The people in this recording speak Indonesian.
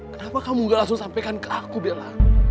kenapa kamu ngasih sampaikan ke aku bella